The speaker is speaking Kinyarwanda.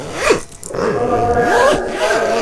uziko mba mbona ntacyo bitwaye